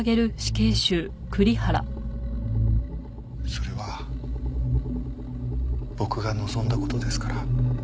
それは僕が望んだ事ですから。